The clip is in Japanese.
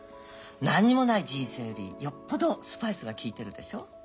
何にもない人生よりよっぽどスパイスが効いてるでしょ？